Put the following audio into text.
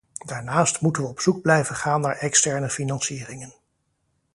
Daarnaast moeten we op zoek blijven gaan naar externe financieringen.